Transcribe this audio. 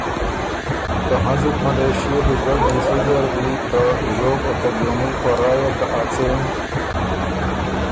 ته هنزُک ملېشئے دُوګډ حصۀ زر دی ته ژوب او ته ګېمُل په رایه که ا څېن